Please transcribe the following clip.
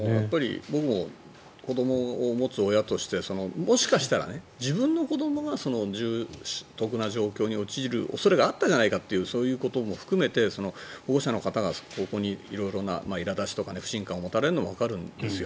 僕も子どもを持つ親としてもしかしたら、自分の子どもが重篤な状況に陥る恐れがあったじゃないかというそういうことも含めて保護者の方がここに色んないら立ちとか不信感を持たれるのはわかるんですよ。